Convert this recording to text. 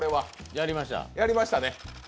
やりました。